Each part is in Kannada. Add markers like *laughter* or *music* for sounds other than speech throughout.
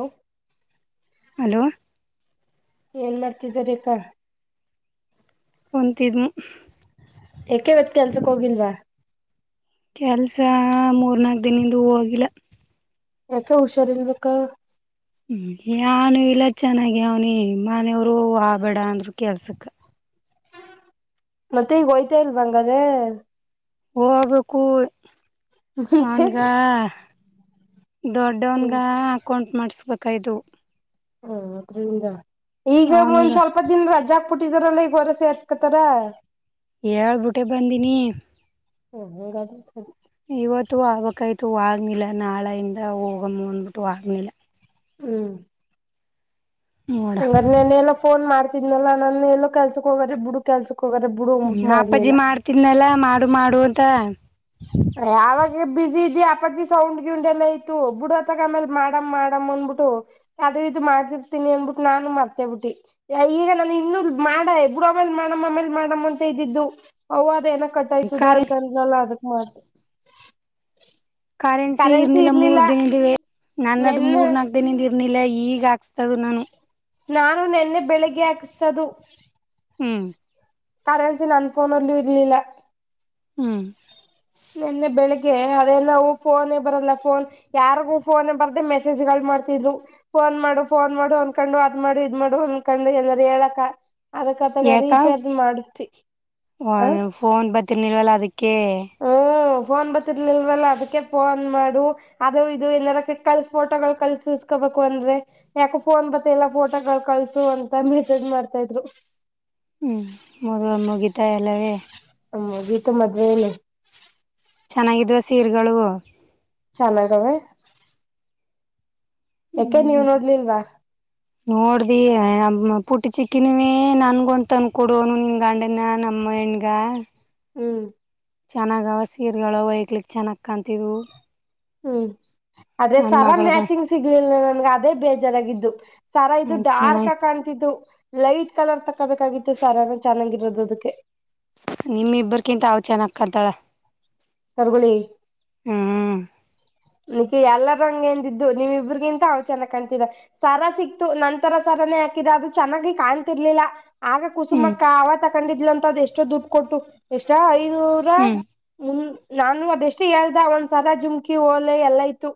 ಹಲೋ. ಹಲೋ ಏನ್ ಮಾಡ್ತಿದಿರಾ ಅಕ್ಕಾ. ಕುಂತಿದ್ದಿಮು. ಯಾಕೆ ಇವತ್ತು ಕೆಲ್ಸಕ್ ಹೋಗಿಲ್ವಾ. ಕೆಲ್ಸ ಮೂರ್ನಾಲ್ಕು ದಿನದಿಂದ ಹೋಗಿಲ್ಲ. ಯಾಕೆ ಹುಷಾರ್ ಇಲ್ವಕ್ಕ. ಹ್ಮ ನಾನು ಇಲ್ಲ ಚೆನ್ನಾಗ ಅವನಿ ಮನೆಯವರು ಹೋಗಬೇಡ ಅಂದ್ರು ಕೆಲ್ಸಕ್ಕ ಮತ್ತೆ ಈಗ ಹೋಯ್ತಾ ಇಲ್ವಾ ಹಂಗ್ಯಾರಾ. ಹೋಗ್ಬೇಕು ಮುಂಚೆ ಅವಂಗ. ದೊಡ್ಡವನ್ಗ ಹ್ಮ್ ಅಕೌಂಟ್ ಮಾಡಸ್ಬೇಕಾಯ್ತು. ಹಾ ಅದ್ರಿಂದ ಈಗ ಅವನ್ಗ ಒಂದ್ ಸ್ವಲ್ಪ ದಿನ ರಜಾ. ಹಾಕಿಬಿಟ್ಟಿದಾರಲ್ಲ ಈಗ ಹೋದ್ರ ಸೇರ್ಸ್ಕೊತಾರ. ಹೇಳ್ಬುಟ್ಟೆ ಬಂದೀನಿ. ಹ್ಮ್ ಹಂಗಾದ್ರೆ ಸರಿ. ಇವತ್ತು ಹೋಗಬೇಕಾಯ್ತು ಹೊಗ್ನಿಲ್ಲ ನಾಳೆಯಿಂದ ಹೋಗಮ್ಮ ಅಂದಬಿಟ್ಟು ಹೊಗ್ನಿಲ್ಲ ಹ್ಮ್ ನೋಡ ಹಂಗರೆ ನೆನ್ನೆ ಎಲ್ಲ ಫೋನ್ ಮಾಡ್ತಿದ್ನಲ್ಲಾ ನಾನ ಎಲ್ಲೋ ಕೆಲ್ಸಕ್ ಹೋಗರೆ ಬಿಡುಕ್ ಕೆಲ್ಸಕ್ ಹೋಗ್ರರ. ಹ್ಮ ಅಪ್ಪಾಜಿ ಮಾಡ್ತಿದನಲ್ಲ ಮಾಡು ಮಾಡು ಅಂತ. ಯಾವಾಗ ಬಜಿ ಇದಿ ಅಪ್ಪಾಜಿ ಸೌಂಡ್ ಗಿಂಡ ಎಲ್ಲ ಇಯತ್ತು ಬಿಡ ಅತ್ತಕ್ಕ ಆಮೇಲೆ. ಮಾಡಮ್ ಮಾಡಮ್ ಅನ್ಬಿಟ್ಟು ಅದು ಇದು ಮಾಡಿರ್ತಿನಿ ಅನ್ಬಿಟ್ಟು ನಾನು ಮರ್ತೇಬಿಟ್ಟಿ. ಈಗ ನಾನು ಇನ್ನೂ ಮಾಡ ಇಬ್ರು ಆಮೇಲ್ ಮಾಡಮ್ಮ ಆಮೇಲೆ ಮಾಡಮ್ಮ್ ಅಂತ ಇದ್ದಿದ್ದು ಅವ್ವ ಅದ ಏನೋ ಕಟ್ಟ ಆಯಿತದಾ ಕರೆನ್ಸಿ ಅಂತಂದ್ರಲ್ಲ ಅದಕ್ ಮಾಡ್ ಕರೆನ್ಸಿ ಇರ್ನಿಲ್ಲ ಮೂರ್ ದಿನದಿವೆ ನನ್ನದು ನೆನ್ನೆ ಮೂರ್ ನಾಕ್ ದಿನಿದ್ ನಿಲ್ಲ ಈಗ ಆಕ್ಸ್ತದು ನಾನು. ನಾನು ನೆನ್ನೆ ಬೆಳಿಗ್ಗೆ ಹಾಕಸ್ತದು ಹ್ಮ್ ಕರೆನ್ಸಿ ನನ್ ಫೋನ್ ಅಲ್ಲು ಇರ್ಲಿಲ್ಲ ಹ್ಮ್ ನಿನ್ನೆ ಬೆಳಿಗ್ಗೆ ಅದೆ ನಾವು ಫೋನ್ ಹೇ ಬರಲ್ಲ ಫೋನ್ ಯಾರಿಗು ಫೋನ್ನೆ ಬರ್ದೆ ಮೆಸೇಜ್ಗಳು ಮಾಡ್ತಿದ್ರು ಫೋನ್ ಮಾಡು ಫೋನ್ ಮಾಡು ಅಂದಕೊಂಡು ಅದ್ ಮಾಡು ಇದ್ ಮಾಡು ಅಂದ್ಕೊಂಡು ಏನಾರ ಹೇಳಕ ಅದಕ್ಕ ಅತಗ ಯಾಕ ರೀಚಾರ್ಜ್ ಮಾಡ್ಸದಿ *unintelligible* ಫೋನ್ ಬತ್ತಿರ್ನಿರ್ವಾಲ್ಲ ಅದಿಕ್ಕೆ ಹ್ಮ ಫೋನ್ ಬತ್ತರ್ಲಿಲ್ವಲ್ಲ ಅದಿಕ್ಕೆ ಫೋನ್ ಮಾಡು ಅದು ಇದು ಏನಾರ ಕಲ್ ಫೋಟೋಗಳು ಕಳ್ಸ್ ಇಸ್ಕೋಬೇಕಂದ್ರೆ ಯಾಕೋ ಫೋನ್ ಬತ ಇಲ್ಲಾ ಫೋಟೋ ಕಳ್ಸು ಅಂತ ಮೆಸೇಜ್ ಮಾಡ್ತಾ ಇದ್ರು ಹ್ಮ್ ಮದುವೆ ಮುಗಿತಾ ಎಲ್ಲವೇ ಹ್ಮ ಮುಗಿತು ಮದುವೆ ಏನು ಚೆನ್ನಾಗಿದ್ವ ಸೀರ್ಗಳು ಚನ್ನಾಗವೆ ಯಾಕೆ ಹ್ಮ್ ನೀವ್ ನೋಡ್ಲಿಲ್ವಾ ನೋಡ್ದಿ ನ ಪುಟ್ಟ ಚಿಕ್ಕಿನೇ ನನ್ಗೊಂತ ತಂದಕೊಡು ಅನ್ನು ನಿನ್ ಗಂಡನ ನಮ್ಮ ಹೆಣ್ಣಗ ಗಾ ಹ್ಮ್ ಚೆನ್ನಾಗ ಅವ ಸೀರೆಗಳು ಅವೈಕ್ಲಿಕ್ ಚೆನ್ನಾಗ್ ಕಾಣ್ತಿದ್ವು ಹ್ಮ್ ಆದ್ರೆ ನನ್ ಸರಾ ಮಗಳಗ ಮ್ಯಾಚಿಂಗ್ ಸಿಗ್ಲಿಲ್ಲ ನನ್ಗ ಅದೇ ಬೇಜಾರಾಗಿದ್ದು ಸರಾ ಇದು ಡಾರ್ಕ್ ಚೆನ್ನಾಗಿ ಆಗ್ ಕಾಣ್ತಿದ್ದು ಲೈಟ್ ಕಲರ್ ತಕೋಬೇಕಾಗಿತ್ತು ಸರನ ಚೆನ್ನಾಗಿರೋದು ಅದುಕ್ಕೆ ನಿಮ್ ಇಬ್ಬರ್ಗಿಂತಾ ಅವಳು ಚೆನ್ನ ಕಣ್ತಾಳ ಕರ್ಗೊಳ್ಳಿ ಹ್ಮ ನಿಕ್ಕೆ ಎಲ್ಲರು ಹಂಗೆ ಅಂದಿದು ನೀವ್ ಇಬ್ರಗಿಂತ ಅವ್ಳ್ ಚೆನ್ನಗ್ ಕಾಣ್ತಿದ್ದ ಸರ ಸಿಕ್ತು ನಂತರ ಸರನೇ ಹಾಕಿದ ಅದು ಚೆನ್ನಾಗಿ ಕಾಣತಿರ್ಲಿಲ್ಲ ಆಗ ಹ್ಮ್ ಕುಸುಮಕ್ಕ ಆವ ತಗೊಂಡಿದ್ಲ ಅಂತ ಅದ್ ಎಷ್ಟೋ ದುಡ್ಡು ಕೊಟ್ಟು ಎಷ್ಟಾ ಐನೂರಾ ಹ್ಮ್ ಮುನ್ ನಾನು ಅದೆಷ್ಟು ಹೇಳ್ದ ಒಂದ್ಸಲ ಜುಮ್ಕಿ ಓಲೆ ಎಲ್ಲ ಇತ್ತು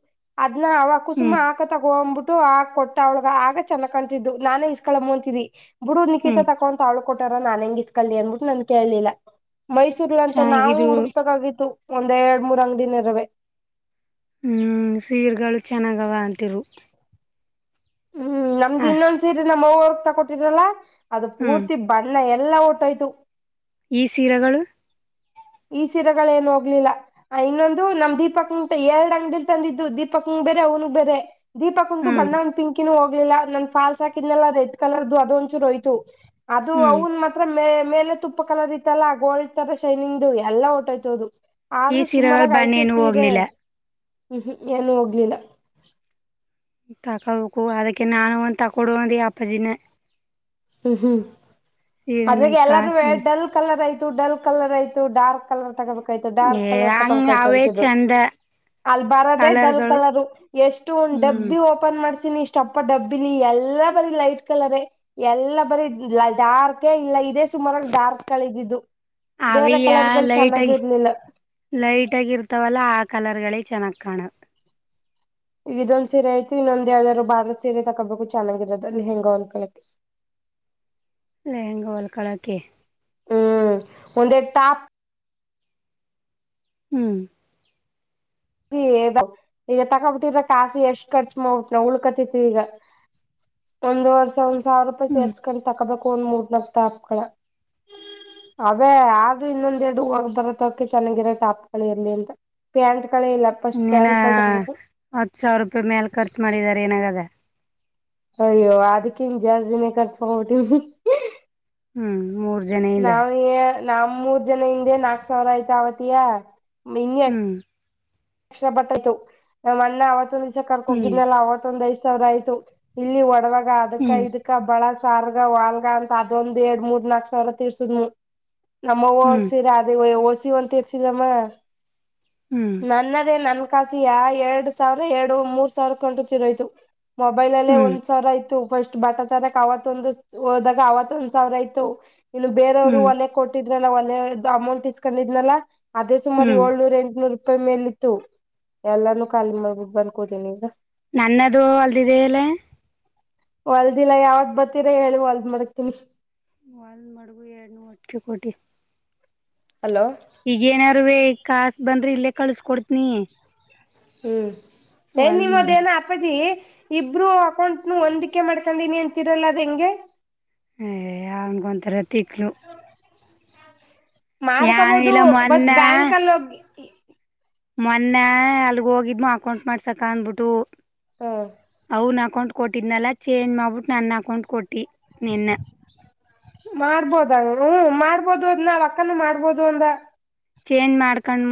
ಅದ್ನ ಅವ ಕುಸುಮಾ. ಹ್ಮ್ ಅಕ್ಕ ತಗೊ ಅನ್ಬಿಟ್ಟು ಆ ಕೊಟ್ಟ ಅವ್ಳಗ ಆಗ ಚನಾಗ್ ಕಾಣ್ ತಿದಿದ್ದು ನಾನೇ ಇಸ್ಕಳ ಅಂತಿದಿ ಬಿುಡು ನಿಕಿತ ಹ್ಮ್ ತಕೊಂತ ಅವಳಿಗೆ ಕೊಟ್ಟಾರ ನಾನ್ ಹೆಂಗ ಇಸ್ಕಳ್ಳಿ ಅನ್ಬಿಟ್ಟು ನನ್ ಕೇಳ್ಲಿಲ್ಲ ಮೈಸೂರ್ಲಾತು ನಾವು ಚೆನ್ನಾಗಿದ್ವು ಹುಡುಕ್ಬೇಕಾಗಿತ್ತು ಒಂದ್ ಎರಡ್ ಮೂರ್ ಅಂಗಡಿನರುವೇ ಹ್ಮ್ ಸೀರ್ಗಳು ಚೆನ್ನಾಗವ ಅಂತಿರು ಹ್ಮ್ ನಮ್ದು ಹ ಇನ್ನೊಂದ್ ಸೀರೆ ನಮ್ಮ್ ಅವ್ವರು ತಗೊಟ್ಟಿದ್ರಲ್ಲ ಅದು ಹ್ಮ್ ಪೂರ್ತಿ ಬಣ್ಣ ಎಲ್ಲಾ ಓಟೋಯ್ತು ಈ ಸೀರೆಗಳು ಈ ಸೀರೆಗಳು ಏನು ಹೋಗ್ಲಿಲ್ಲ ಇನ್ನೊಂದು ನಮ್ ದೀಪಕ್ ಎರಡ್ ಅಂಗಡಿಲಿ ತಂದಿದ್ದು ದೀಪಕ್ಂಗ ಬೇರೆ ಅವ್ನಗ್ ಬೇರೆ ದೀಪಕ್ಂದು ಹ್ಮ್ ಬಣ್ಣ ಒಂದ ಪಿಂಕಿನ ಹೋಗಲಿಲ್ಲ. ನನ್ ಫಾಲ್ಸ್ ಹಾಕಿದ್ನೆಲ್ಲ ರೆಡ್ ಕಲರ್ದು ಅದೊ ಒಂಚೂರು ಹೋಯ್ತು. ಅದು ಹ್ಮ್ ಅವನ್ ಮಾತ್ರ ಮ ಮೇಲೆ ತುಪ್ಪ ಕಲರ್ ಇತ್ತಲ್ಲ ಗೋಲ್ಡ್ ತರ ಶೈನಿಂಗ್ ಇದು ಎಲ್ಲಾ ಓಂಟೊಯ್ತ ಅದು ಈ ಆದ್ರೂ ಸೀರೆಗಳ ಸುಮ್ಮರಾಗೆ ಐತೆ ಬಣ್ಣೇನು ಸೀರೆ. ಹೋಗ್ನಿಲ್ಲ ಹ್ಮ್, ಹ್ಮ್ ಏಲ್ಲೂ ಹೋಗ್ಲಿಲ್ಲಾ ತಕೋಬೇಕು ಅದಕ್ಕೆ ನಾನು ಒಂದು ತಕೊಡು ಅಂದೇ ಒಂದ ಅಪ್ಪಾಜಿಗೆ. ಹ್ಮ್, ಹ್ಮ್ ಅದ್ರಾಗ ಎಲ್ಲರೂ ಕಾಸ ಡಲ್ ಕಲರ್ ಆಯ್ತು ಡಲ್ ಕಲರ್ ಆಯ್ತು ಡಾರ್ಕ್ ಕಲರ್ ತಗೋಬೇಕಾಯ್ತು ಡಾರ್ಕ್ ಏ ಕಲರ್ ಹಂಗ ತಗೋಬೇಕಾಯ್ತು ಅವೇ ಅಂತಿದ್ರು. ಚಂದ ಅಲ್ ಬರದೆೇ ಡಲ್ ಕಲರ್ಗಳು ಕಲರು ಎಷ್ಟು ಒಂದ ಹ್ಮ್ ಡಬ್ಬಿ ಒಪನ್ ಮಾಡ್ಸಿನಿ ಇಷ್ಟಪ್ಪ ಡಬ್ಬಿಲಿ ಎಲ್ಲಾ ಬರಿ ಲೈಟ್ ಕಲರ್ ಎಲ್ಲಾ ಬರಿ ಡಾರ್ಕ್ ಅದೆ ಇಲ್ಲ ಇದೇ ಸುಮಾರಾಗಿ ಡಾರ್ಕ್ ಕಲರಿದ್ದಿದ್ದು. ಬೇರೆ ಅವಿಯ ಕಲರ್ ಗಳು ಲೈಟ್ ಚೆನ್ನಾಗಿ ಆಗಿ ಇರ್ಲಿಲ್ಲ. ಲೈಟ್ ಆಗಿ ಇರ್ತಾವಲ್ಲ ಆ ಕಲರ್ ಗಳೆ ಚೆನ್ನಾಗ್ ಕಾಣದು. ಈಗ ಇದೊಂದ್ ಸೀರೆ ಆಯತು ಇನ್ನೊಂದ್ ಯಾವ್ದಾದಾರು ಬಾಡರು ಸೀರೆ ತಕೋಬೇಕು. ಚನಾಗಿರೊದು ಅಲ್ಲಿ ಹೆಂಗ ಒಂದ್ಕಳಕ್ಕೆ. *inaudible* ಲೆಹಂಗ ಒಲ್ ಕಳೋಕ್ಕೆ. ಹ್ಮ್, ಒಂದೆ ಟಾಪ್ ಹ್ಮ್, ಈ ತಕೊಬ ಬಿಟ್ಟಿದ್ರ ಕಾಸ್ ಎಷ್ಟ್ ಖರ್ಚು ಮಾಡ್ಬಿಟ್ಟ ಉಳ್ಕತ್ತಿತಈಗ. ಒಂದ್ ವರ್ಷ ಒಂದ್ ಸಾವಿರ ರೂಪಾಯಿ ಹ್ಮ್ ಸೇರ್ಸ್ಕೊಂಡು ತಕೋಬೇಕು ಒಂದ್ ಮೂರ್ನಾಲ್ಕ ಟಾಪ್ ಗಳ. ಅವೇ ಆದೂ ಇನ್ನೊಂದ ಎರಡು ವರ್ ಬರತಕೆ *unintelligible* ಚೆನ್ನಾಗಿರ ಟಾಪ್ಗಳುಇರ ಲ್ಲಿಲ್ಲಾಅಂತ ಪ್ಯಾಂಟ್ ಗಳೆ ಇಲ್ಲಾ ಇನ್ನೇನ ಹತ್ ಸಾವಿರ ರೂಪಾಯಿ ಮೇಲೆ ಖರ್ಚು ಮಾಡಿದ್ದಾರೆ ಏನಾಗದ. ಅಯ್ಯೋ ಅದಕ್ಕಿ ನ್ ಜಾಸ್ತಿನೆ ಖರ್ಚು ಮಾಡ್ಬಿಟ್ಟಿವಿ *unintelligible* ಹ್ಮ್, ಮೂರು ನಾವ ಏನ್ ನಾವು ಮೂರ್ ಜನ ಹಿಂದೆ ನಾಕ್ ಸಾವಿರ ಆಯ್ತ ವತಿಯ ಹಿಂಗ ಹ್ಮ್ ಲಕ್ಷ ಬರ್ತಾ ಆಯತು ನಮ್ಮ್ ಅಣ್ಣ ಅವತ್ತೊಂದ ದಿವಸ ಕರ್ಕ ಹ್ಮ್ ಹೋಗಿದನೆ ಅವತ್ತ ಒಂದ್ ಐದ ಸಾವಿರ ಆಯ್ತು. ಇಲ್ಲಿ ಒಡವೆಗ ಅದಕ್ಕ ಹ್ಮ್ ಇದಕ್ ಅಕ್ಕ ಬಳ ಸಾರ್ಗ ವಾಲ್ಗ ಅಂತ ಅದೊಂದ್ ಎರಡ್ ಮೂರ್ ನಾಲ್ಕ ಸಾವಿರ್ ತಿರ್ಸುದ್ವಿ. ನಮ್ಮ ಅವ್ವ ಅವ್ರ ಹ್ಮ್ ಸೀರೆ ಅದ ಓಸ ಒಂತರ್ಸಿದಮ್ಮ. ಹ್ಮ್, ನನ್ನದೇ ನನ್ ಕಾಸಿ ಎರಡ್ ಸಾವಿರ ಎರಡು ಮೂರ್ ಸಾವಿರ ಕಂಟ ತಿರೋಯ್ತು. ಮೊಬೈಲ್ ಅಲ್ಲೇ ಹ್ಮ್ ಹ್ಮ್ ಒಂದ್ಸಾವಿರ ಆಯ್ತು ಫಸ್ಟ್ ಬಟ್ಟೆ ತರಕ್ ಅವತ್ ಒಂದು ಹೋದಾಗ ಅವತ್ತ ಒಂದ್ ಸಾವಿರ ಆಯತು. ಇನ್ನು ಬೇರೆಯವರು ಹ್ಮ್ ಒಲೆ ಕೊಟ್ಟಿದ್ನ ಒಲೇದ ಅಮೌಂಟ್ ಇಸ್ಕೊಂಡಿದನ ಅದೇ ಸುಮಾರು ಹ್ಮ್ ಏಳ್ನೂರ, ಎಂಟುನೂರು ಪಾಯಿ *unintelligible* ಮೇಲಿ ಇತ್ತು ಎಲ್ಲಾನು ಕಾಲಿ ಮಾಡ್ಬಿಟ್ಟು ಬಂದ್ಕೋತೀನಿ ಈಗ. ನನ್ನದು ಒಂದು ಇದೇ ಅಲ್ಲೇ ಹೊಲ್ದಿಲ್ಲ ಯಾವಗ್ ಬರ್ತೀರ ಹೇಳಿ ಹೊಲ್ದ್ ಮಡಗತಿನಿ. ಒಲ್ ಮಡಗು ಎರಡುನೂರು ಅಟ್ಕ್ಕೆ ಕೋಟಿ *unintelligible* *inaudible* ಹಲೋ, ಈಗೇಏನಾರೇ ಈ ಕಾಸ ಬಂದ್ರಿ ಇಲ್ಲೇ ಕಳ್ಸ್ಕ ಕೊಡ್ತೀನಿ. ಹ್ಮ್, ಏನ್ ಒಲ್ದ್ ಮಡಗು ನಿಮ್ಮದೇನ ಹತ್ ಅಪಾಜಿ ಇಬ್ರು ಅಕೌಂಟ್ನು ಹೊಂದಿಕೆ ಮಾಡ್ಕೊಂಡೀನಿ ಅಂತಿರಲ್ಲ ಅದ ಹೆಂಗೆ., ಹ ಅವನಗೊ ಒಂಥರ ತಿಕ್ಲು. ಯಾನ್ ಮಾಡ್ಕೊಬೋದು ಇಲ್ಲ ಬಟ್ ಮೊನ್ನ ಬ್ಯಾಂಕ್ ಅಲ್ಲೊಗಿ ಮೊನ್ನೆ ಅಲ್ಗ ಹೋಗಿದ್ಮ ಅಕೌಂಟ್ ಮಾಡ್ಸಕ ಅಂದ್ಬಿಟ್ಟು. ಹಾ, ಅವನ ಅಕೌಂಟ್ ಕೊಟ್ಟಿದ್ನಲ್ಲ ಚೇಂಜ್ ಮಾಡ್ಬಿಟ್ಟು ನನ್ನ ಅಕೌಂಟ್ ಕೊಟ್ಟಿ ನಿನ್ನೇ. ಮಾಡ್ಬೋದಂಗ ಹ ಮಾಡ್ಬೋದು ಅದನ ಅಕ್ಕನು ಮಾಡಬಹುದು ಅಂದ. ಚೇಂಜ್ ಮಾಡ್ಕಣಿ.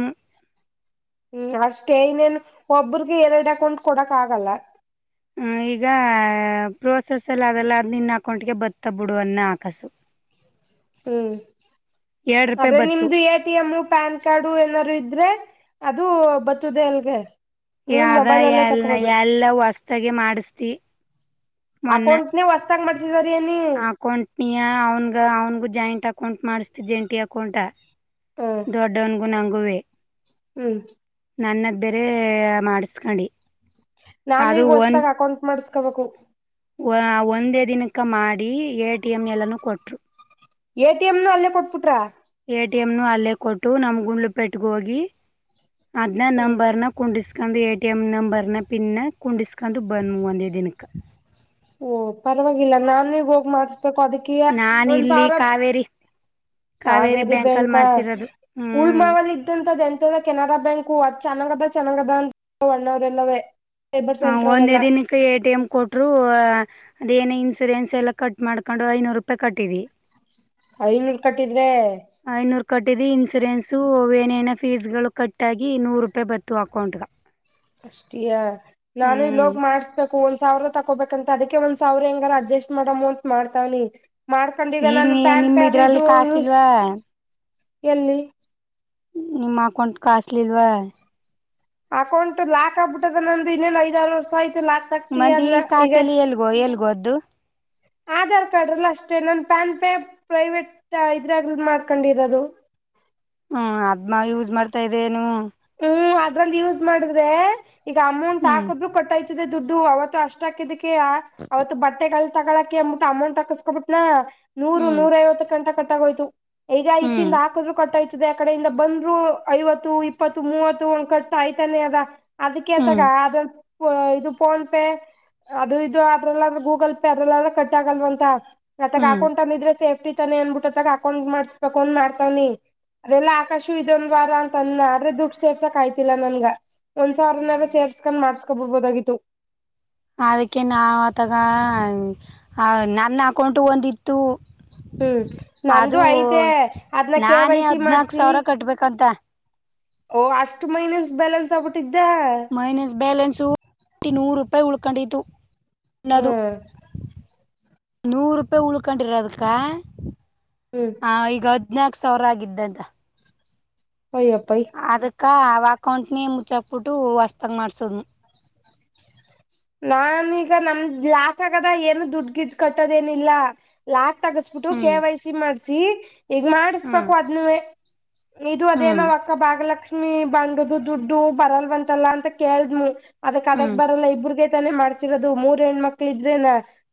ಹ್ಮ್ ಅಷ್ಟು ಹೇಳಿದು ಮೇಲೂ ಒಬ್ಬರಿಗೂ ಎರೆಡು ಅಕೌಂಟ್ ಕೊಡಕ್ ಆಗಲ್ಲ. ಹ್ಮ ಈಗ ಪ್ರೋಸೆಸ್ ಎಲ್ಲಾ ಅವೆಲ್ಲ ನಿನ್ನ ಅಕೌಂಟ್ಗೆ ಬತ್ತ ಬಿಡು ಅನ್ನ ಆಕಾಸು. ಹ್ಮ್ ಎರಡ್ ರೂಪಾಯಿ ಆದ್ರೆ ಬತ್ತು ನಿಮ್ದು A T M PAN card ಏನಾದ್ರೂ ಇದ್ರೆ ಅದು ಬತದೆ ಅಲ್ಗೆ. ನೀವು ಯಾದ ಮೊಬೈಲ್ ಅಲ್ಲೇ ಯಾದಿನ ತಕೋಬಹುದು ಎಲ್ಲ ಹೊಸ್ದಾಗಿ ಮಾಡಿಸ್ತಿ ಮೊನ್ನೆ. ನೂ ಹೊಸತಾಗಿ ಮಾಡ್ಸಿದರಿ ಏನೀ. ಕೌಂಟ್ ನೀಯ ಅವನ್ಗ ಅವನ್ಗು ಜಾಯಿಂಟ್ ಅಕೌಂಟ್ ಮಾಡಿಸ್ತಿ ಜಂಟಿ ಅಕೌಂಟ. ಹ್ಮ್ ದೊಡ್ಡವನಿಗೂ ನಂಗುವೆ. ಹ್ಮ್ ನನ್ನದ್ ಬೇರೆ ಮಾಡಿಸ್ಕಂಡಿ. ನಾನು ಈಗ ಹೊಸ್ದಾಗ್ ಅಕೌಂಟ್ ಮಾಡಸ್ಕೋಬೇಕು. ಒಂದೇ ದಿನಕ್ಕೆ ಮಾಡಿ ಎ ಟಿ ಎಂ ಎಲ್ಲಾನೂ ಕೊಟ್ಟುರು. ಎ ಟಿ ಎಂ ನ್ನು ಅಲ್ಲೇ ಕೊಟ್ಬಿಟ್ರಾ. ಎ ಟಿ ಎಂ ನು ಅಲ್ಲೇ ಕೊಟ್ಟು ನಮ್ ಗುಂಡ್ಲು ಪೇಟ್ಗೆ ಹೋಗಿ ಅದ್ನ ಹ್ಮ ನಂಬರ್ ನ ಕುಂಡಿಸ್ಕಂದು ಎ ಟಿ ಎಂ ನಂಬರ್ನ ಪಿನ್ನ ಕುಂಡಿಸ್ಕಂದು ಬಂದ್ವ ವಂದೇ ದಿನಕ್ಕ. ಓ ಪರವಾಗಿಲ್ಲ ನಾನೀಗ್ ಹೋಗಿ ಮಾಡಿಸಬೇಕು ಅದಕ್ಕಿಯ ನಾನ ಒಂದ್ ಇಲ್ಲಿ ಸಾವಿರ. ಕಾವೇರಿ ಕಾವೇರಿ ಬ್ಯಾಂಕ್ ಬ್ಯಾಂಕ ಅಲ್ಲಿ ಮಾಡ್ಸಿರೋದು ಉಳ್ ಹ್ಮ್ ಮಾವಲಿ. ತಿಂತದೆಂತದೋ ಕೆನರಾ ಬ್ಯಾಂಕು ಅದ್ ಚೆನ್ನಗದ ಚೆನ್ನಾಗ ಅದ ಅಂತ ಎಲ್ಲಾರೆಲ್ಲವೇ. ಹ ಒಂದೇ ದಿನಕ್ಕೆ ಎ ಟಿ ಎಂ ಕೊಟ್ರು ಹಾ. ಅದೇಏನು ಇನ್ಸೂರೆನ್ಸ್ ಎಲ್ಲ ಕಟ್ ಮಾಡ್ಕೊಂಡು ಐನೂರು ರೂಪಾಯಿ ಕಟ್ಟಿದ್ವಿ. ಐನೂರು ಕಟ್ಟಿದ್ರೆ. ಐನೂರು ಕಟ್ಟಿದ್ವಿ ಇನ್ಶೂರೆನ್ಸು ಏನೇನೋ ಫೀಸ್ ಗಳು ಕಟ್ಟದು ನೂರು ರೂಪಾಯಿ ಬತ್ತು ಅಕೌಂಟ್ಗ. ಅಷ್ಟಿಯ ನಾನು ಹ್ಮ್ ಇಲ್ಲೋಗ್ ಮಾಡಸ್ತೆ. ಒಂದ್ ಸಾವಿರ ತೊಕೋಬೇಕು ಅಂತ ಅದಕ್ಕೆ ಒಂದ್ ಸಾವಿರ ಹೆಂಗಾರ ಅಡ್ಜಸ್ಟ್ ಮಾಡೋಮ್ ಅಂತ ಮಾಡ್ತಾನಿ. ಮಾಡ್ಕೊಂಡು ಈಗ ನಾನು ಪ್ಯಾನ್ ನಿಮ್ ಪೆ ಅದು ಇದು ಇದ್ರಲ್ಲಿ ಕಾಸಿಲ್ವಾ ಎಲ್ಲಿ. ನಿಮ್ಮ ಅಕೌಂಟ್ ಕಾಸ್ಲಿಲ್ವಾ. ಅಕೌಂಟ್ ಲಾಕ್ ಆಗ್ಬಿಟ್ಟೈತೆ ನಂದು ಇನ್ನೇನ್ ಐದಾರು ವರ್ಷ ಆಯ್ತ ಲಾಕ್. ತಗ್ಸಿ ಮಂದಿ ಅದ್ನ ಈಗ ಕಾಸಲಿ ಎಲ್ಗೋ ಎಲ್ಗೊದ್ದು. ಆಧಾರ್ ಕಾರ್ಡಲು ಅಷ್ಟೇ ನನ್ ಪ್ಯಾನ್ ಪೇ ಪ್ರೈವೇಟ್ ಇದ್ರಾಗಿ ಮಾಡ್ಕೊಂಡಿರೋದು. ಹ್ಮ್ ಅದ್ನ ಯೂಸ್ ಮಾಡ್ತಾ ಇದೆ ಏನು. ಹ್ಮ್ ಅದ್ರಲ್ಲಿ ಯೂಸ್ ಮಾಡಿದ್ರೆ ಈಗ ಅಮೌಂಟ್ ಹ್ಮ್ ಹಾಕುದ್ರು ಕಟ್ಟು ದುಡ್ಡು ಅವತ್ತು ಅಷ್ಟಾಗಿದ್ದಕ್ಕೆಯ ಅವತ್ತು ಬಟ್ಟೆಗೆ ಹಾ ತಗಳಕೆ ಅಂಬುಟ್ಟು ಅಮೌಂಟ್ ಹಾಕಸ್ಕೊಬಿಟ್ನ ನೂರು ಹ್ಮ್ ನೂರು ಐವತ್ತು ಗಂತ ಕೊಟ್ಟಂಗಾಯ್ತು. ಈಗ ಹ್ಮ್ ಇತ್ತಿಂದ ಹಾಕಬೇಕು ಕೊಟ್ಟಾಜ್ಗೆ ಆ ಕಡೆಯಿಂದ ಬಂದ್ರು ಐವತ್ತು. ಇಪ್ಪತ್ತು ಮೂವತ್ತು ಒಂದ್ಕಟ್ಟ ಆಯ್ತಲ್ಲೇ ಅದ ಅದು ಕೇತವ ಹ್ಮ್ ಅದು. ಇದು ಫೋನ್ ಪೇ ಅದು ಇದು ಅದ್ರಲ್ಲ್ರೂ ಗೂಗಲ್ ಪೇ ಅದ್ರಲ್ಲೂ ಕಟ್ ಆಗಲ್ವಂತ. ಮತ್ತ ನಾ ಹ್ಮ್ ಗಂಟ ನುಗ್ಗೆ ಸೇಫ್ಟಿ. ತನೆ ಅನ್ಬಿಟ್ಟು ತಾನೇ ಅಕೌಂಟ್ ಮಾಡಿಸ್ಬೇಕು ಅನ್ ಮಾಡ್ತಾನಿ ಅದೆಲ್ಲಾ ಆಕಾಶ ಇದೊಂದು ವಾರ ಅಂತ ಅಂದ. ದುಡ್ ಸೇರ್ಸಕ್ ಆಯ್ತಿಲ್ಲ ನನ್ಗ ಒಂದ್ ಸಾವ್ರನಾದ್ರು ಸೇರ್ಸ್ಕಂಡ್ ಮಾಡ್ಸ್ಕೊಬುಡ್ಬೋದಾಗಿತ್ತು. ಅದಕ್ಕೆ ನಾ ಆತಗ ನನ್ ಅಕೌಂಟು ಒಂದಿತ್ತು. ಹ್ಮ್ ಅದು ನಂದು ಐತೆ ಅದ್ನ ಕೆ ವೈ ನಾನೇ ಸಿ ಹದ್ನಾಕ್ ಮಾಡ್ಸಿ ಸಾವ್ರ ಕಟ್ಬೇಕಂತೆ. ಓ ಅಷ್ಟ್ ಮೈನಸ್ ಬ್ಯಾಲೆನ್ಸ್ ಆಗ್ಬುಟ್ಟಿದ್ದ. ಮೈನಸ್ ಬ್ಯಾಲೆನ್ಸು ಬಿಟ್ಟಿ ನೂರು ರೂಪಾಯಿ ಉಳ್ಕೊಂಡಿತು. ಇನ್ನದು ಹ್ಮ್ ನೂರು ರೂಪಾಯಿ ಉಳ್ಕೊಂಡ್ರಿರ ಅದಕ್ಕ. ಹ್ಮ್ ಹ ಈಗ ಹದ್ನಾಕು ಸಾವಿರ ಆಗಿದ್ದಂತ. ಅಯ್ಯಪೈ. ಅದಕ್ಕ ಅವ ಅಕೌಂಟ್ನೇ ಮುಚ್ಚಾಕಬಿಟ್ಟು ಹೊಸ್ದಾಗ ಮಾಡ್ಸೋದ್. ನಾನೀಗ ನಮ್ದ್ ಲಾಕ್ ಆಗದ ಏನು ದುಡ್ ಗಿಡ್ ಕಟ್ಟೋದೇನಿಲ್ಲ. ಲ್ಯಾಕ್ ತಗಸ್ಬಿಟ್ಟು ಕೆ ಹ್ಮ್ ವೈ ಸಿ ಮಾಡ್ಸಿ ಈಗ ಹ್ಮ್ ಮಾಡಿಸ್ಬೇಕು ಅದ್ನು. ಇದು ಅದೇನೋ ಹ್ಮ್ ಆ ಅಕ್ಕ ಭಾಗಲಕ್ಷ್ಮಿ. ಬಾಂಡ್ದು ದುಡ್ಡು ಬರಲ್ವಾತಲ್ಲ ಅಂತ ಕೇಳದ್ಮು ಅದಕ್ ಅದಕ್ಕೆ ಹ್ಮ್ ಬರಲ್ಲ ಇಬ್ರಗ ತಾನೆ ಮಾಡಸಿರೋದು ಮೂರ್ ಹೆಣ ಮಕ್ಳ ಇದ್ರೆ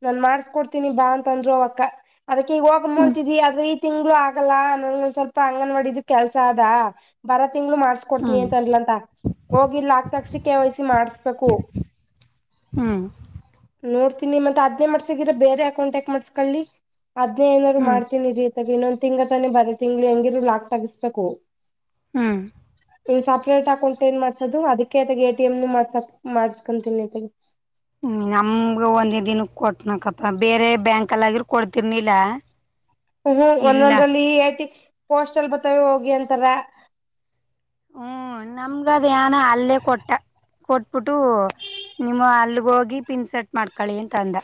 ನಾನ್ ಮಾಡ್ಸ್ಕೊಡ್ತೀನಿ ಬಾ ಅಂತ ಅಂದ್ರು ಅವಕ್ಕ. ಅದಕ್ಕೆ ಈಗ ಹೋಗುಮು ಹ್ಮ್ ಅಂತಿದ್ದೀ ಈ ತಿಂಗಳು ಆಗಲ್ಲ ನನಗೆ ಒಂದು ಸ್ವಲ್ಪ ಅಂಗನವಾಡಿದು ಕೆಲಸ ಅದ ಬಾರ ತಿಂಗ್ಗಳು ಮಾಡಿ. ಕೊತನಿ ಹ್ಮ್ ಅಂತನ್ಲಂತ ಹೋಗಿಲ್ಲಾಕ್ ತೆಗಿಸಿ ಕೆ ವೈ ಸಿ ಮಾಡ್ಸ್ಬೇಕು ಹ್ಮ ನೋಡ್ತೀನಿ ಮತ್ತೆ ಅದ್ನೇ ಮಾಡ್ಸಿದರ ಬೇರೆ ಅಕೌಂಟ್ ಯಕ್ ಮಾಡಿಸ್ಕೊಳ್ಳಿ. ಹದ್ನೇ ಏನಾದ್ರು ಹ್ಮ್ ಹ್ಮ್ ಮಾಡ್ತೀನಿಇರಿ ಆತಗೆ ಇನ್ನೊಂದಂದು ತಿಂಗ ತಾನೆ ಬರ ತಿಂಗಳು ಹೆಂಗಿರು ಲಾಕ್ ತಗಿಸ್ಬೇಕು. ಹ್ಮ್ ಇ ಸಪ್ರೇಟ್ ಅಕೌಂಟ್ ಏನ್ ಮಾಡ್ಸೋದು ಅದಕ್ಕೆ ಆತಗೆ ಎ ಟಿ ಎಂ ಮಾಡ್ಸಕ್ ಮಾಡ್ಸ್ಕೊಂತೀನಿತೆಗೆ. ಹ್ಮ ನಮ್ಗೆ ಒಂದ ದಿನ ಕೊಟ್ಟನಕಪ್ಪಾ ಬೇರೆ ಬ್ಯಾಂಕಲ್ಗಿ ಆಗಿದ್ರೆ ಕೊಡ್ತಿರ್ನಿಲ್ಲಾ. ಹ್ಮ ಒಂದೊಂದ್ರಲ್ಲಿ ಐತಿ ಪೋಸ್ಟಲ್ ಬತಾವ ಹೋಗಿ ಅಂತಾರ. ಹ್ಮ್ ನಮ್ಗ ಅದೇನ್ಯ ಅಲ್ಲೇ ಕೊಟ್ಟ. ಕೊಟ್ಬಿಟ್ಟು ನಿಮ್ಮ ಅಲ್ಲಿಗೆೋಗಿ ಪಿನ್ಸೆಟ್ ಮಾಡ್ಕೊಳ್ಳಳಿ ಅಂತಂದ.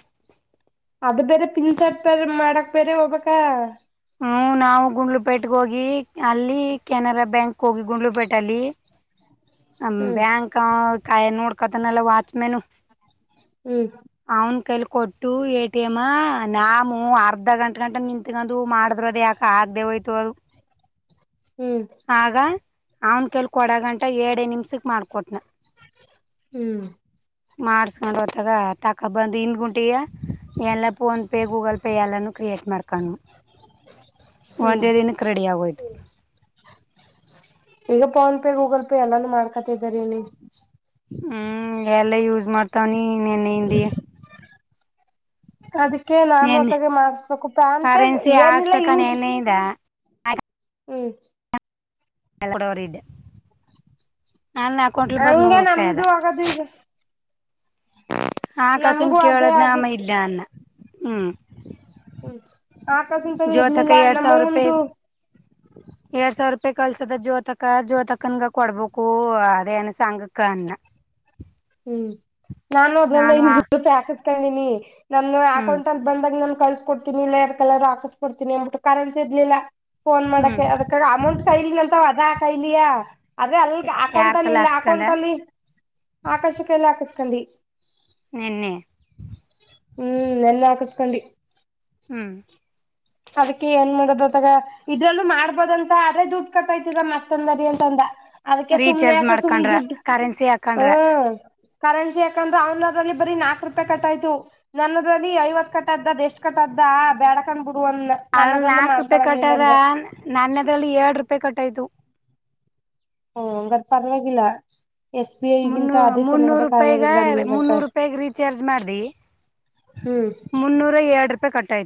ಅದು ಬೇರೆ ಪಿಂನ್ ಸೆಟ್ ಬೇರೆ ಮಾಡಕ್ ಬೇರೆ ಹೋಗಬೇಕಾ. ಹ್ಮ ನಾವು ಗುಂಡ್ಲುಪೇಟೆಗ ಹೋಗಿ ಅಲ್ಲಿ ಕೆನರಾ ಬ್ಯಾಂಕ್ ಹೋಗಿ ಗುಂಡ್ಲುಪೇಟೆಲ್ಲಿ. *inaudible* ಹ ಹ್ಮ್ ಬ್ಯಾಂಕ್ಕಾಯ ನೋಡ್ಕತನಲ್ಲ ವಾಚ್ಮೆನು. ಹ್ಮ್ ಅವ್ನ್ ಕೈಲಿ ಕೊಟ್ಟು ಎ ಟಿ ಎಮ್ ನಾ ನಮು ಅರ್ಧ ಗಂಟ ಗಂಟ ನಿಂತಗಡ್ಡು. ಅದು ಮಾಡ್ರ್ ಅದು ಯಾಕೆ ಆಗದೆ ಹೋಯ್ತು ಅದು. ಹ್ಮ್ ಆಗ ಅವನ್ ಕೈಯಲ್ಲಿ ಕೊಡಗಂಟ ಏಡೇ ನಿಮಿಷ ಮಾಡ್ಕೊಟ್ನ. ಹ್ಮ್ ಮಾಡಸ್ಕೊಂಡ್ ಆತಕ ತಕೊಬಂದಿ ಹಿಂದ್ಗುಂಟಿನೆ. ಎಲ್ಲ ಫೋನ್ ಪೇ ಗೂಗಲ್ ಪೇ ಎಲ್ಲಾನೂ ಕ್ರಿಯೇಟ್ ಮಾಡ್ಕೊಂಡು ಹ್ಮ್ ಒಂದೇ ದಿನ. ರೆಡಿ ಆಗೋಯ್ತು. ಈಗ ಫೋನ್ ಪೇ ಗೂಗಲ್ ಪೇ ಎಲ್ಲಾನು ಮಾಡ್ಕೊತಿದಾರಿ ಅನ್ನಿ. ಹ್ಮ್ ಎಲ್ಲ ಯೂಸ್ ಮಾಡ್ತವನಿ ನೆನ್ನ ಹಿಂದಿನೆ. ಅದಕ್ಕೆ ನಾನ ನೆನ್ನೆ ಆತ್ತಗ ಮಾಡಸ್ಬೇಕು ಕರೆನ್ಸಿ *unintelligible* ಏನಿಲ್ಲ ಹಾಕ್ಸಕ ಯೂಸ್ *unintelligible* ಹ್ಮ್ ನನ್ ಅಕೌಂಟ್ಲ್ ಬರೀ ಹಂಗೆ ನೂರು ರೂಪಾಯಿ ಅದ. ನಮ್ದು ಆಗದು ಈಗ ಆ ನಮ್ಗೂ ಕಸನ್ನ ಅದೇ ಕೇಳೋದ್ ನಾಮ ಆಗಿದ್ದು ಇಲ್ಲ ಅಂದ ಹ್ಮ್ ಹ್ಮ ಆಕಾಶತಮ್ಮು ಜ್ಯೋತಕ ಇರ್ಲಿಲ್ಲ ಎರಡ್ ನಮ್ಮ ಸಾವಿರ ರೂಪಾಯಿ ಅವ್ವಅಂದು.. ಎರಡ್ ಸಾವಿರ ರೂಪಾಯಿ ಕಳ್ಸದ ಜ್ಯೋತಕ ಜ್ಯೋತಕನ್ಗ ಕೊಡ್ಬೇಕು ಅದೇ ಏನ್ ಸಾಂಘಕ್ಕ ಅಂತ. ಹ್ಮ್, ನಾನು ಅದ್ರಲ್ಲಿ *unintelligible* ಇ ರೂಪಿ ಹಾಕಸ್ಕೊಂಡೀನಿ ನನ್ನ ಹ್ಮ್ ಅಕೌಂಟ್ ಅಲ್ಲಿ ಬಂದಾಗ ನನ್ ಕಸ ಕೊಡ್ತೀನಿ ಇಲ್ಲ ಎರ್ ಕಲರ ಹಾಕಸ್ ಕೊಡ್ತೀನಿ ಅಟ್ಟ ಕರೆನ್ಸಿ ಇರ್ಲಿಲ್ಲ. ಫೋನ್ ಹ್ಮ್ ಮಾಡಕ್ಕೆ ಅದಕ್ಕ ಅಮೌಂಟ್ ಕೈಲಿನಲ್ಂತಾವ ಅದಾ ಕೈಲಿಯಾ. ಅದೇ ಅಲ್ಲಿ ಅಕೌಂಟ್ ಯಾರ್ ಅಲ್ಲಿ ಕಲ್ಲ ಇಲ್ಲ, ಹಾಕ್ಸ್ಕಂದ ಅಕೌಂಟ್ ಅಲ್ಲಿ ಆಕಾಶಕ್ಕೆ ಕೈಲೆ ಹಾಕಸ್ಕೊಂಡಿವಿ. ನಿೆನ್ನೆ *unintelligible* ಹ್ಮ್, ನೆನ್ನೆ ಹಾಕಿಸಕೊಂಡಿವಿ. ಹ್ಮ್, ಅದಕ್ಕೆ ಏನ್ ಮಾಡದುದಾಗ ಇದ್ರಲ್ಲೂ ಮಾಡ್ಬೋದಂತ ಅದೇ ದುಡ್ಡು ಕಟ್ಟಾತ್ತೈತದ ಮಸ್ತ್ ತಂದರಿ ಅಂತಂದ ಅದಕ್ಕೆ ಸುಮ್ನೆ ರೀಚಾರ್ಜ್ ಯಾಕ ಸುಮ್ನೆ ಮಾಡ್ಕೊಂಡ್ರ ದುಡ್ಡು ಕರೆನ್ಸಿ ಹಾಕೊಂಡ್ರ ಹ್ಮ್, ಕರೆನ್ಸಿ ಯಾಕಂದ್ರೆ ಅವನ್ಲೋನಲ್ಲಿಂದ್ರಬರಿ ನಾಕ ರೂಪಾಯಿ ಕಟ್ಟಾಯ್ತು. ನನ್ನದ್ರಲ್ಲಿ ಐವತ್ ಕಟ್ಟದ್ದದ್ ಎಷ್ಟ್ ಕಟ್ಟದ್ದ ಬ್ಯಾಡಕಣ ಬುಡು ಅಂದ್ನಾ. ಅದ್ರಲ್ಲಿ ನಾಲ್ಕು ರೂಪಾಯಿ ಕಟ್ಟಾದ್ರ ನನ್ನದ್ರಲ್ಲಿ ಎರಡ್ ರೂಪಾಯಿ ಕಟ್ಟಾಯ್ತು. ಓಹೋ, ಹಂಗಾರೆ ಪರವಾಗಿಲ್ಲ. ಎಸ್ ಬಿ ಐಗಿಂತ ಮುನ್ನೂ ಅದೇ ಮುನ್ನೂರು ಚನ್ನಂಗದ ರೂಪಾಯಿಗ 'ಕಾವೇರಿ ಗ್ರಾಮೀಣ ಮುನ್ನೂರು ಬ್ಯಾಂಕ್' ರೂಪಾಯಿಗ್ ರೀಚಾರ್ಜ್ ಮಾಡ್ದಿ ಹ್ಮ್, ಎರಡು ರೂಪಾಯಿ ಕಟ್ಟಾಯ್ತು.